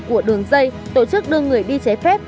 của đường dây tổ chức đưa người đi trái phép